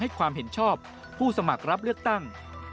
ความเห็นชอบผู้สมัครรับเลือกตั้ง